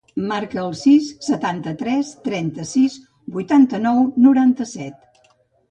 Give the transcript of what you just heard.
Marca el sis, setanta-tres, trenta-sis, vuitanta-nou, noranta-set.